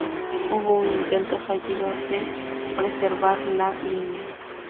Hubo un intento fallido de preservar la línea.